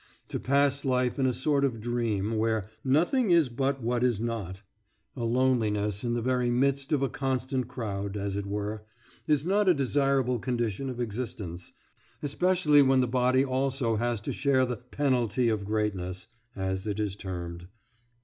To pass life in a sort of dream, where "nothing is but what is not" a loneliness in the very midst of a constant crowd, as it were is not a desirable condition of existence, especially when the body also has to share the "penalty of greatness," as it is termed.